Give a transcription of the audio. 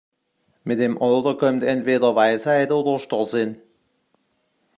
Mit dem Alter kommt entweder Weisheit oder Starrsinn.